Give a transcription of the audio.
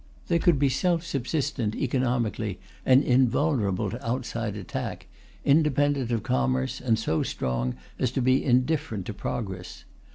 They could be self subsistent economically, and invulnerable to outside attack, independent of commerce, and so strong as to be indifferent to progress.